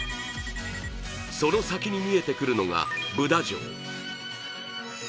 その先に見えてくるのがブダ城。